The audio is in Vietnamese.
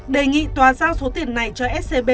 đề nghị tòa giao số tiền này cho scb